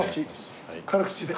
辛口で。